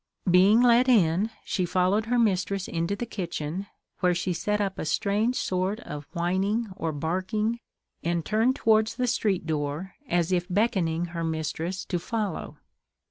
Being let in, she followed her mistress into the kitchen, where she set up a strange sort of whining, or barking, and turned towards the street door, as if beckoning her mistress to follow.